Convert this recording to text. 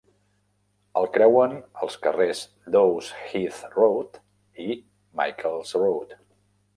El creuen els carrers Daws Heath Road i Michael's Road.